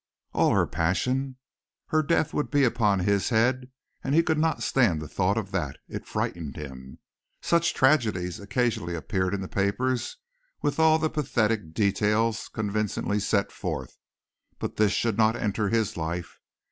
All her passion! Her death would be upon his head and he could not stand the thought of that. It frightened him. Such tragedies occasionally appeared in the papers with all the pathetic details convincingly set forth, but this should not enter his life.